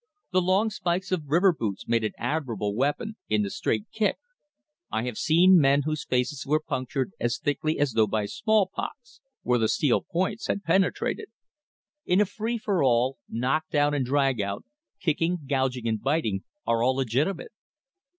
The long spikes of river boots made an admirable weapon in the straight kick. I have seen men whose faces were punctured as thickly as though by small pox, where the steel points had penetrated. In a free for all knock down and drag out, kicking, gouging, and biting are all legitimate.